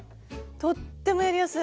とってもやりやすい。